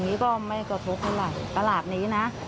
นี้ก็ไม่กระทบเท่าไหร่ตลาดนี้นะ